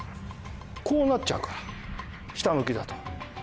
こうなっちゃうから下向きだと。